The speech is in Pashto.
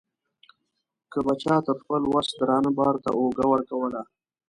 که به چا تر خپل وس درانه بار ته اوږه ورکوله.